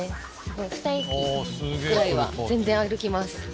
ふた駅ぐらいは全然歩きます。